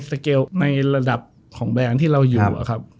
เพราะว่าในระดับของแบรนด์ที่เราอยู่ครับ